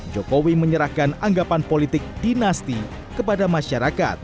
jokowi menyerahkan anggapan politik dinasti kepada masyarakat